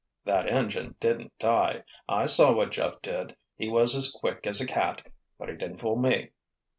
"That engine didn't die. I saw what Jeff did. He was as quick as a cat—but he didn't fool me."